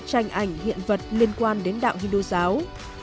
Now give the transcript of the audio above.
tranh ảnh hiện vật liên quan đến đạo hindu giáo